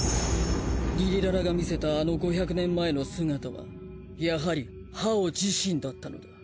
リリララが見せたあの５００年前の姿はやはりハオ自身だったのだ。